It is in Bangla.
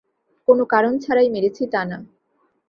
কোনো কারণ ছাড়াই মেরেছি, তা না।